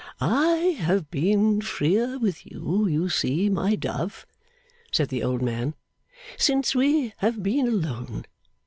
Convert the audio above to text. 'I have been freer with you, you see, my dove,' said the old man, 'since we have been alone.